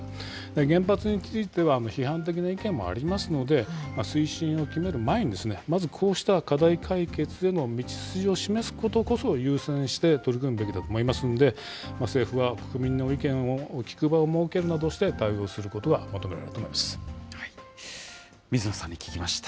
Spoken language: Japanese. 原発については、批判的な意見もありますんで、推進を決める前に、まずこうした課題解決への道筋を示すことこそ優先して取り組むべきだと思いますので、政府は国民の意見を聞く場を設けるなどして対応することが求めら水野さんに聞きました。